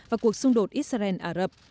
và cuộc xung đột israel arab